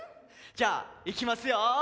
じゃあいきますよ。